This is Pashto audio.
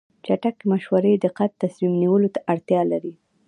چټک مشورې دقیق تصمیم نیولو ته اړتیا لري.